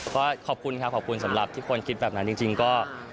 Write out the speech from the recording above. ก็ขอบคุณครับขอบคุณสำหรับที่คนคิดแบบนั้นจริงก็